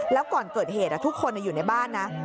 แล้วก่อนเกิดเหตุทุกคนอยู่ในบ้านนะ